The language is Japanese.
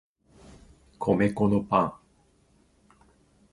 米粉のパン